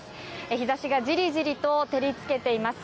日差しがじりじりと照りつけています。